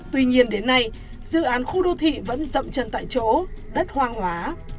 tuy nhiên đến nay dự án khu đô thị vẫn rậm chân tại chỗ đất hoang hóa